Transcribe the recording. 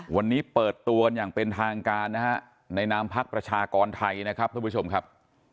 วันนี้เปิดตัวกันอย่างเป็นทางการนะฮะในนามพักประชากรไทยนะครับท่านผู้ชมครับ